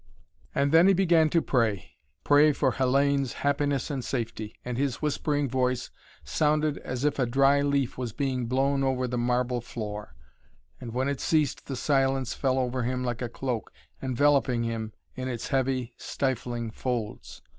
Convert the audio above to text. And then he began to pray, pray for Hellayne's happiness and safety, and his whispering voice sounded as if a dry leaf was being blown over the marble floor, and when it ceased the silence fell over him like a cloak, enveloping him in its heavy, stifling folds.